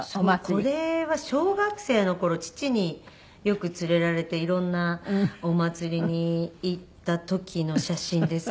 これは小学生の頃父によく連れられて色んなお祭りに行った時の写真ですね。